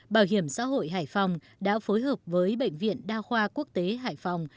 bảo hiểm xã hội hải phòng đã phối hợp với bệnh viện đa khoa quốc tế hải phòng